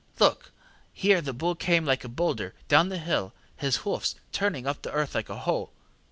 Look! here the bull came like a boulder down the hill, his hoofs turning up the earth like a hoe.